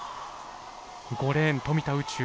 ５レーン富田宇宙。